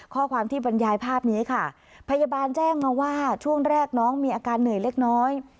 ข้อความที่บรรยายภาพนี้ค่ะพยาบาลแจ้งมาว่าช่วงแรกน้องมีอาการเหนื่อยเล็กน้อย